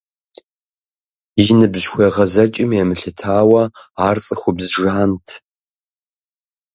И ныбжь хуегъэзэкӀым емылъытауэ ар цӏыхубз жант.